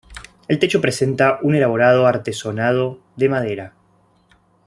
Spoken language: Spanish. El techo presenta un elaborado artesonado de madera.